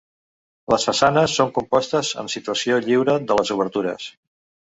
Les façanes són compostes amb situació lliure de les obertures.